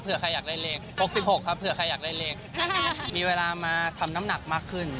เพื่อใครอยากได้เลข๖๖ครับเผื่อใครอยากได้เลขมีเวลามาทำน้ำหนักมากขึ้น